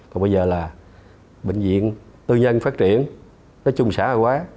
còn bây giờ là bệnh viện tư nhân phát triển nó chung xã hội quá